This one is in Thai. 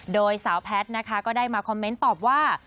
โดยสาวแพทย์นะคะก็ได้มาคอมเมนต์ตอบว่า